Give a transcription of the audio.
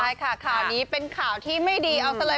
ใช่ค่ะข่าวนี้เป็นข่าวที่ไม่ดีเอาซะเลย